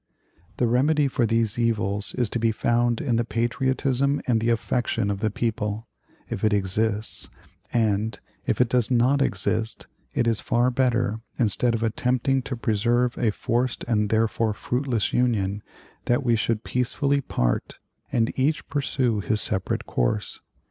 "The remedy for these evils is to be found in the patriotism and the affection of the people, if it exists; and, if it does not exist, it is far better, instead of attempting to preserve a forced and therefore fruitless Union, that we should peacefully part and each pursue his separate course.